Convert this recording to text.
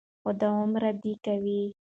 خو دغومره دې کوي،